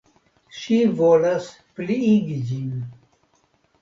Ŝi volas pliigi ĝin.